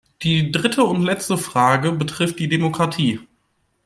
Die dritte und letzte Frage betrifft die Demokratie.